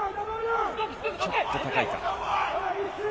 ちょっと高いか。